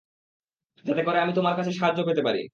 যাতে করে আমি তোমার কাছ সাহায্য পেতে পারি।